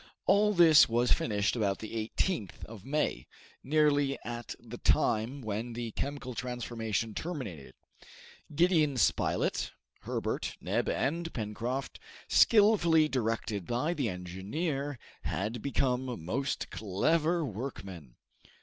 All this was finished about the 18th of May, nearly at the time when the chemical transformation terminated. Gideon Spilett, Herbert, Neb, and Pencroft, skillfully directed by the engineer, had become most clever workmen.